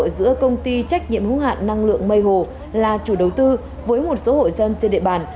giữa công ty trách nhiệm hữu hạn năng lượng mây hồ là chủ đầu tư với một số hội dân trên địa bàn